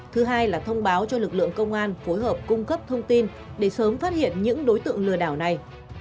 thứ hai là thông báo cho lực lượng công an phối hợp cung cấp thông tin để sớm phát hiện những đối tượng lừa đảo này